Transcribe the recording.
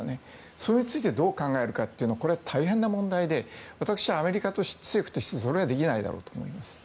それについて、どう考えるかこれは大変な問題で私はアメリカ政府としてはそれはできないだろうと思います。